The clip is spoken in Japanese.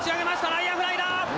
内野フライだ！